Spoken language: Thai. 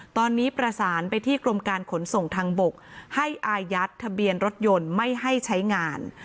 ตอนนี้ประสานไปที่กรมการขนส่งทางบกให้อายัดทะเบียนรถยนต์ไม่ให้ใช้งาน